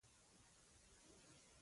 ژړل د کمزورۍ نښه نه ده پوه شوې!.